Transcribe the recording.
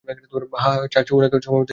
হ্যাঁ হ্যাঁ, চার্চে উনাকে সময়মত নিয়ে আসবে!